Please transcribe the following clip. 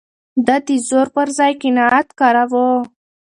ده د زور پر ځای قناعت کاراوه.